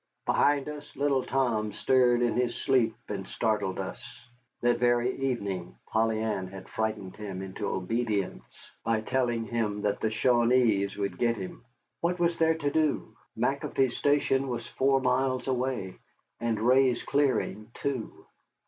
Behind us little Tom stirred in his sleep and startled us. That very evening Polly Ann had frightened him into obedience by telling him that the Shawanees would get him. What was there to do? McAfee's Station was four miles away, and Ray's clearing two.